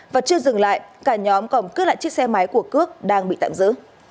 và chưa dừng lại cả nhóm còn cướp lại chiếc xe máy của cước đang bị tạm giữ